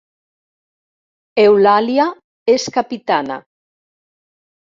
Eulàlia és capitana